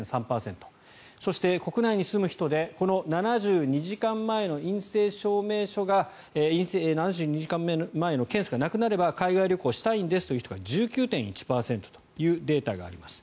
そして、国内に住む人でこの７２時間前の検査がなくなれば海外旅行したいんですという人が１９．１％というデータがあります。